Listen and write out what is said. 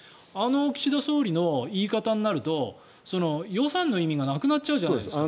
岸田総理の言い方になると予算の意味がなくなっちゃうじゃないですか。